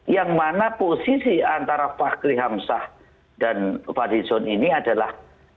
yang mana posisi antara pak krihamsah dan pak rizon ini adalah